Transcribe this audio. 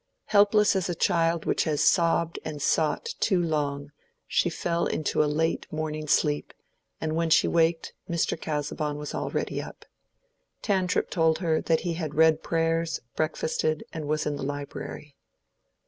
Helpless as a child which has sobbed and sought too long, she fell into a late morning sleep, and when she waked Mr. Casaubon was already up. Tantripp told her that he had read prayers, breakfasted, and was in the library.